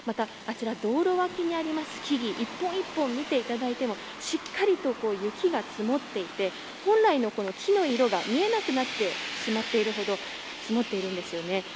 あちら道路脇にある木々一本一本見ていただいてもしっかりと雪が積もっていて本来の木の色が見えなくなってしまっているほど積もっているんですよね。